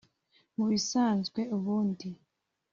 Mu bisanzwe ubundi